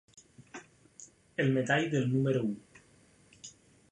El metall del número u.